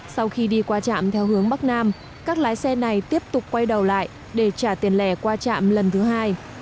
sau khi đi qua trạm theo hướng bắc nam các lái xe này tiếp tục quay đầu lại để trả tiền lẻ qua trạm lần thứ hai